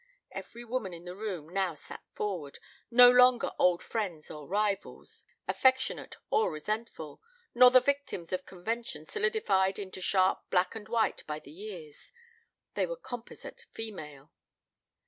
Every woman in the room now sat forward, no longer old friends or rivals, affectionate or resentful, nor the victims of convention solidified into sharp black and white by the years. They were composite female.